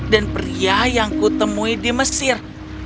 dan pria yang kutemui di mesir